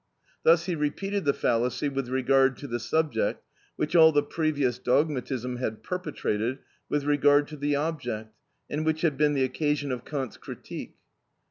Thus he repeated the fallacy with regard to the subject, which all the previous dogmatism had perpetrated with regard to the object, and which had been the occasion of Kant's "Critique".